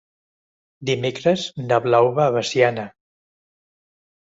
Dimecres na Blau va a Veciana.